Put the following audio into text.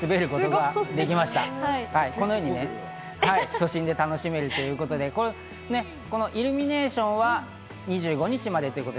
このように都心で楽しめるということで、このイルミネーションは２５日まで。